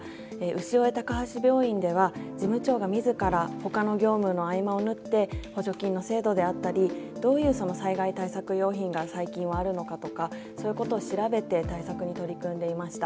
潮江高橋病院では事務長が自らほかの業務の合間を縫って補助金の制度であったりどういう災害対策用品が最近はあるのかとかそういうことを調べて対策に取り組んでいました。